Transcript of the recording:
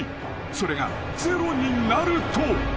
［それがゼロになると］